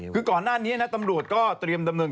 คือก่อนหน้านี้นะตำรวจก็เตรียมดำเนิน